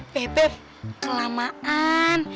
beb beb kelamaan